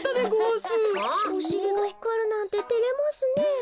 おしりがひかるなんててれますねえ。